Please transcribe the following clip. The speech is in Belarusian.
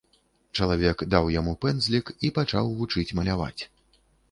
Чалавек даў яму пэндзлік і пачаў вучыць маляваць.